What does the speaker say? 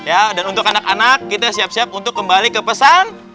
ya dan untuk anak anak kita siap siap untuk kembali ke pesan